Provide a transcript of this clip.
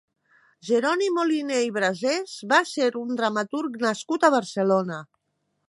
Jeroni Moliné i Brasés va ser un dramaturg nascut a Barcelona.